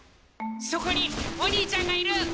そこにお兄ちゃんがいる！